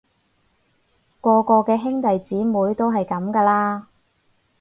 個個嘅兄弟姊妹都係噉㗎啦